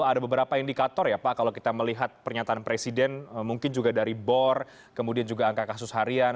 ada beberapa indikator ya pak kalau kita melihat pernyataan presiden mungkin juga dari bor kemudian juga angka kasus harian